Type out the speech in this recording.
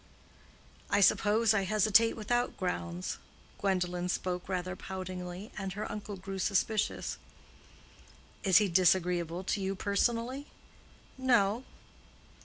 "I suppose I hesitate without grounds." Gwendolen spoke rather poutingly, and her uncle grew suspicious. "Is he disagreeable to you personally?" "No."